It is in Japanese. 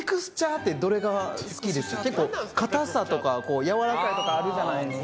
結構固さとか柔らかいとかあるじゃないですか。